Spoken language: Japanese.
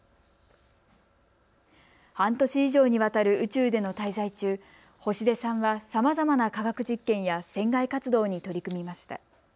半年以上にわたる宇宙での滞在中、星出さんはさまざまな科学実験や船外活動に取り組みました。